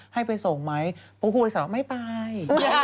ให้ไปส่งไหมพวกผู้โดยสายบอกไม่ไป